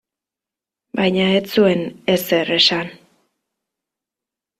Baina ez zuen ezer esan.